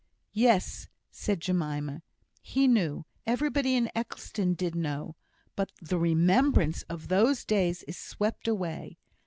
"Yes!" said Jemima, "he knew everybody in Eccleston did know but the remembrance of those days is swept away.